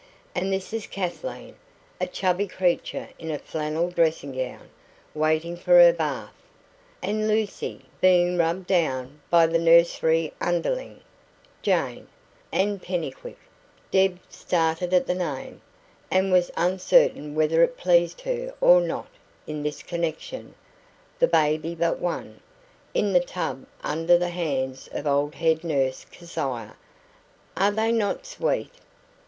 "And this is Kathleen" a chubby creature in a flannel dressing gown, waiting for her bath; "and Lucy" being rubbed down by the nursery underling, Jane; "and Pennycuick" Deb started at the name, and was uncertain whether it pleased her or not in this connection the baby but one, in the tub under the hands of old head nurse Keziah. "ARE they not sweet?"